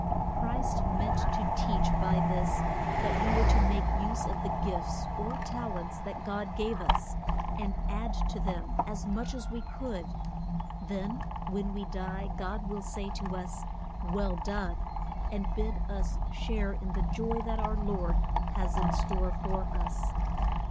Christ meant to teach by this that we were to make use of the gifts or tal ents that God gave us, and add to them as much as we could. Then when we die God will say to us, Well done, and bid us share in the joy that our lord has in store for us.